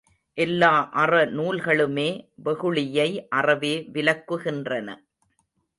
எல்லா அறநூல்களுமே வெகுளியை அறவே விலக்குகின்றன.